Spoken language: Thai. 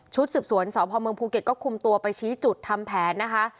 สืบสวนสพเมืองภูเก็ตก็คุมตัวไปชี้จุดทำแผนนะคะ